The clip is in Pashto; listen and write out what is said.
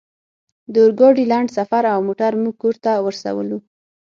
د اورګاډي لنډ سفر او موټر موږ کور ته ورسولو